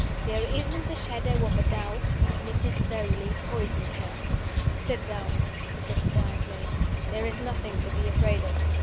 "There isn't the shadow of a doubt: Mrs. Beauly poisoned her." "Sit down," he said, quietly. "There's nothing to be afraid of.